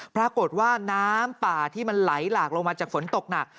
ปรากฏว่าน้ำป่าที่มันไหลหลากลงมาจากฝนตกหนัก